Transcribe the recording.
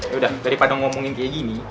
yaudah daripada ngomongin kayak gini